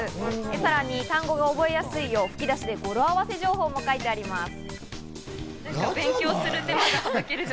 さらに単語が覚えやすいよう吹き出しで語呂あわせ情報も書いてあります。